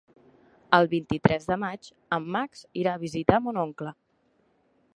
El vint-i-tres de maig en Max irà a visitar mon oncle.